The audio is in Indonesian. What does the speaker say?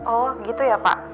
oh gitu ya pak